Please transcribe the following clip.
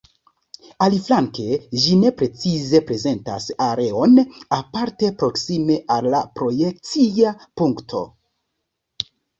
Aliflanke, ĝi ne precize prezentas areon, aparte proksime al la projekcia punkto.